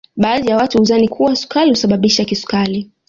Baadhi ya watu hudhani kuwa sukari husababisha kisukari